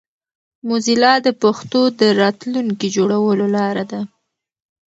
موزیلا د پښتو د راتلونکي جوړولو لاره ده.